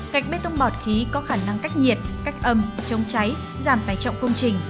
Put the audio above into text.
gạch bê tông bọt khí có khả năng cách nhiệt cách âm chống cháy giảm tài trọng công trình